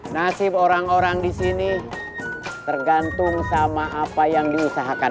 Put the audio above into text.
nasib orang orang disini tergantung sama apa yang diusahakan